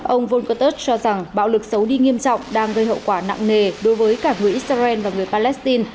ông volkertus cho rằng bạo lực xấu đi nghiêm trọng đang gây hậu quả nặng nề đối với cả người israel và người palestine